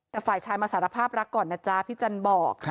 แต่ฝ่ายชายมาสารภาพรักก่อนนะจ๊ะพี่จันบอก